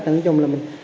nói chung là mình